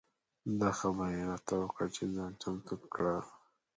دا خبره یې راته وکړه چې ځان چمتو کړه.